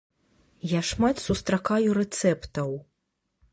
Я шмат сустракаю рэцэптаў.